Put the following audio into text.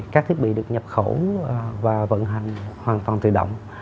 các thiết bị được nhập khẩu và vận hành hoàn toàn tự động